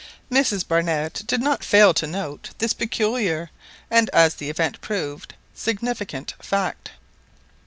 Mrs Barnett did not fail to note this peculiar, and, as the event proved, significant fact.